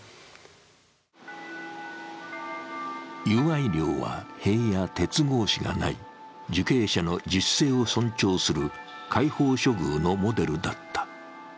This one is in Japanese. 友愛寮は塀や鉄格子がない、受刑者の自主性を尊重する開放処遇のモデルだった。